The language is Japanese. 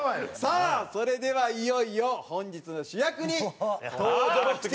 さあそれではいよいよ本日の主役に登場していただきましょう。